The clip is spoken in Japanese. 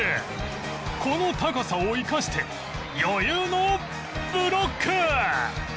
この高さを生かして余裕のブロック！